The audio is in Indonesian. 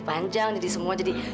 panjang jadi semua jadi